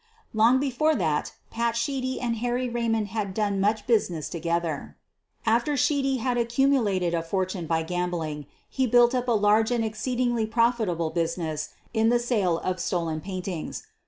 Long before that "Pat" Sheedy and Harry Eay mond had done much business together. After Sheedy had accumulated a fortune by gambling, he built up a large and exceedingly profitable business 54 SOPHIE LYONS in the sale of stolen paintings.